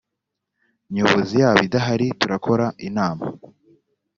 nyobozi yaba idahari turakora inama